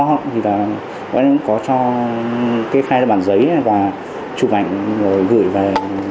chúng em cũng có cho cái khai bản giấy và chụp ảnh rồi gửi về